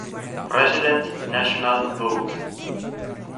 President National Vote.